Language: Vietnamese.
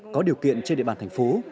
có điều kiện trên địa bàn thành phố